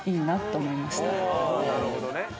なるほどね。